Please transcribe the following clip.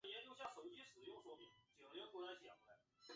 供奉弥额尔。